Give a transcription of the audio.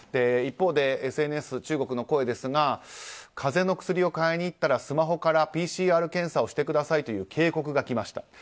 一方でＳＮＳ、中国の声ですが風邪の薬を買いに行ったらスマホからＰＣＲ検査をしてくださいという警告がきました。